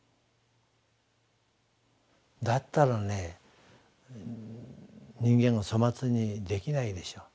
だったらね人間を粗末にできないでしょう。